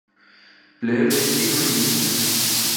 players in T twenty leagues نے